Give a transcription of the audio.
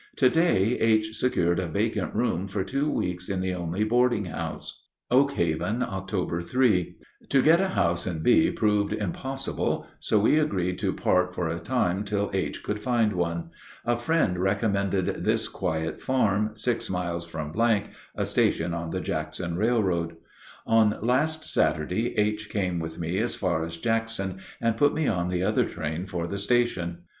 To day H. secured a vacant room for two weeks in the only boarding house. Oak Haven, Oct. 3. To get a house in V. proved impossible, so we agreed to part for a time till H. could find one. A friend recommended this quiet farm, six miles from [a station on the Jackson Railroad]. On last Saturday H. came with me as far as Jackson and put me on the other train for the station.